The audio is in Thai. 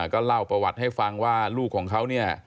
ก็เล่าประวัติให้ฟังว่าลูกของเขาเนี่ย